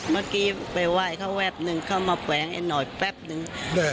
เมื่อกี้ไปไหว้เขาแป๊บนึงเข้ามาแขวงไอ้หน่อยแป๊บนึง